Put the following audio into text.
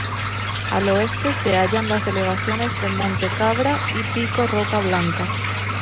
Al oeste se hallan las elevaciones de Monte Cabra y Pico Roca Blanca.